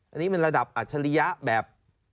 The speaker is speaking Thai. อันนี้มันระดับอัจฉริยะแบบ